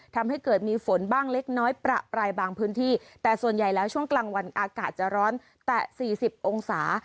ทำให้เกิดมีฝนบ้างเล็กน้อยประปรายบางพื้นที่แต่ส่วนใหญ่แล้วช่วงกลางวันอากาศจะร้อนแต่สี่สิบองศา